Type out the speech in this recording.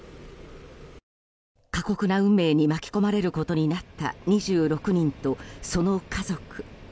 過酷な運命に巻き込まれることになった２６人と、その家族。